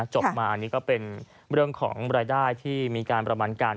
จบมาอันนี้ก็เป็นเรื่องของรายได้ที่มีการประมาณการ